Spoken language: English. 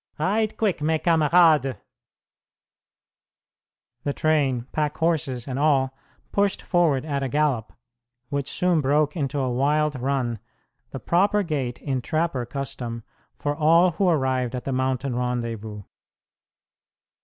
Ride quick, mes camarades!" The train, packhorses and all, pushed forward at a gallop, which soon broke into a wild run the proper gait in trapper custom for all who arrived at the mountain rendezvous.